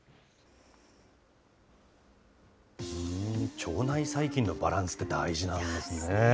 腸内細菌のバランスって大事なんですね。